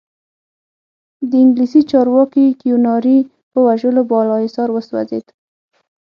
د انګلیسي چارواکي کیوناري په وژلو بالاحصار وسوځېد.